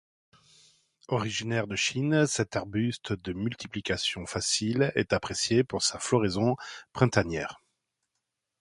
Originaire de Chine cet arbuste de multiplication facile est appréciée pour sa floraison printanière.